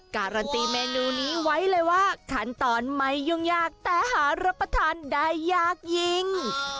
การันตีเมนูนี้ไว้เลยว่าขั้นตอนไม่ยุ่งยากแต่หารับประทานได้ยากยิ่ง